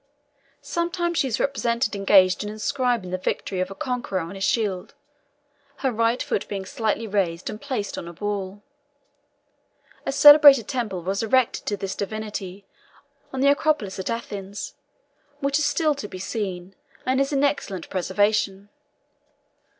Sometimes she is represented engaged in inscribing the victory of a conqueror on his shield, her right foot being slightly raised and placed on a ball. A celebrated temple was erected to this divinity on the Acropolis at Athens, which is still to be seen, and is in excellent preservation.